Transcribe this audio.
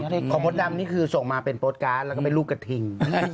ของมดดำนี่คือส่งมาเป็นโปรตการ์ดแล้วก็เป็นลูกกระทิง